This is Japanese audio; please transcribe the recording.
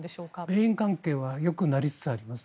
米印関係はよくなりつつあります。